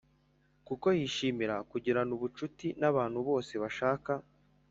kuko yishimira kugirana ubucuti n abantu bose bashaka